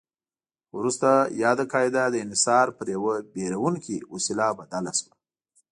خو وروسته یاده قاعده د انحصار پر یوه ویروونکې وسیله بدله شوه.